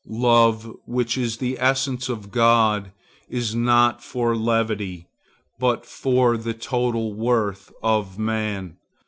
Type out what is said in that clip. Love, which is the essence of God, is not for levity, but for the total worth of man.